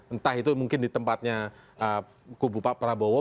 entah itu mungkin di tempatnya kubu pak prabowo